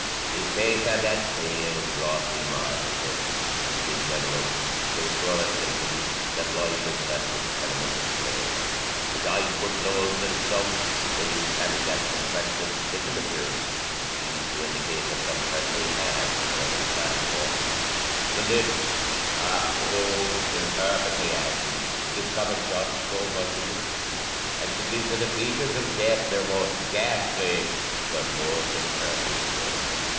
His face had that pale, glossy, marble look, which is in general so sure a symptom that life has left its tenement of clay. His eyes were closed and sunk; the lids having that compressed and stiffened appearance which seemed to indicate that some friendly hand had done its last office. The lips, half closed and perfectly ashy, discovered just so much of the teeth as to give to the features of death their most ghastly, but most impressive look.